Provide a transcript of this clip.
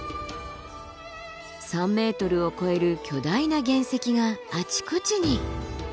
３ｍを超える巨大な原石があちこちに。